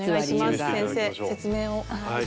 先生説明を。